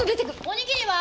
おにぎりは？